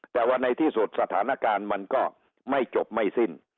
แต่ว่าในที่สุดสถานการณ์มันก็ไม่จบไม่สิ้น